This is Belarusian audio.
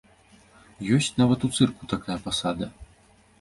Ёсць нават у цырку такая пасада!